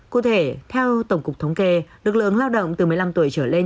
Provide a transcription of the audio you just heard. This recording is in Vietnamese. cụ thể theo tổng cục thống kê lực lượng lao động từ một mươi năm tuổi trở lên